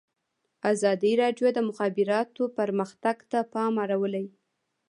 ازادي راډیو د د مخابراتو پرمختګ ته پام اړولی.